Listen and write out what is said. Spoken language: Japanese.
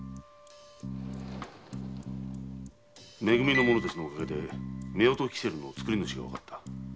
め組の者たちのおかげで夫婦煙管の作り主がわかった。